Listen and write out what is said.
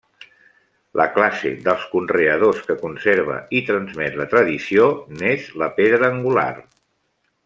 La classe dels conreadors que conserva i transmet la tradició n'és la pedra angular.